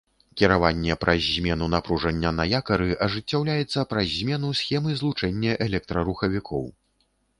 Кіраванне праз змену напружання на якары ажыццяўляецца праз змену схемы злучэння электрарухавікоў.